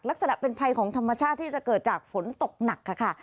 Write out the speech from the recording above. ลักษณะเป็นภัยของธรรมชาติที่จะเกิดจากฝนตกหนักค่ะ